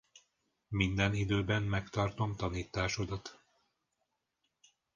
Minden időben megtartom tanításodat.